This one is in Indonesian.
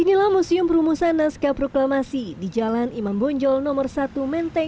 inilah museum perumusan naskah proklamasi di jalan imam bonjol nomor satu menteng